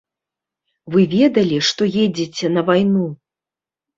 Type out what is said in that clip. Вы ведалі, што едзеце на вайну.